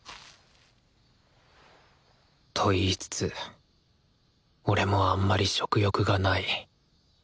と言いつつ俺もあんまり食欲がない。